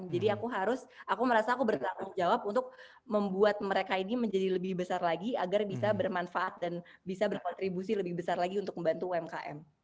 jadi aku harus aku merasa aku bertanggung jawab untuk membuat mereka ini menjadi lebih besar lagi agar bisa bermanfaat dan bisa berkontribusi lebih besar lagi untuk membantu umkm